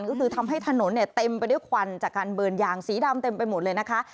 ก็คือทำให้ถนนเนี่ยเต็มไปด้วยควันจากการเบิร์นยางสีดำเต็มไปหมดเลยนะคะ